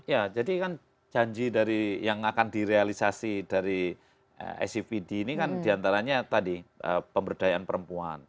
ya jadi kan janji dari yang akan direalisasi dari icpd ini kan diantaranya tadi pemberdayaan perempuan